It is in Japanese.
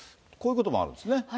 こういうこともあるんですね。